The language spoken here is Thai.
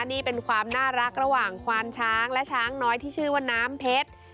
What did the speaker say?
นี่เป็นความน่ารักระหว่างควานช้างและช้างน้อยที่ชื่อว่าน้ำเพชร